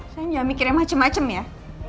saya gak mikirnya macem macem ya